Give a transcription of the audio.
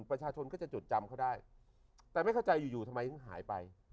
ประชาชนก็จะจดจำเขาได้แต่ไม่เข้าใจอยู่อยู่ทำไมถึงหายไป